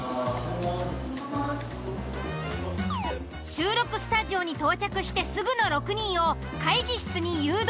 収録スタジオに到着してすぐの６人を会議室に誘導。